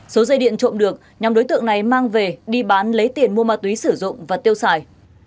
số dây điện trộm được nhóm đối tượng này mang về đi bán lấy tiền mua ma túy sử dụng và tiêu xài